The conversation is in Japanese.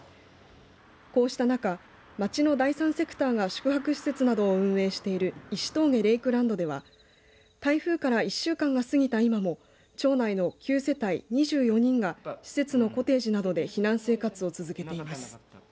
こうした中、町の第三セクターが宿泊施設などを運営している石峠レイクランドでは台風から１週間が過ぎた今も町内の９世帯２４人が施設のコテージなどで避難生活を続けています。